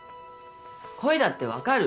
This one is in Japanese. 声だって分かる。